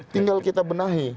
tinggal kita benahi